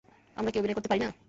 আমরা কী অভিনয় করতে পারি না?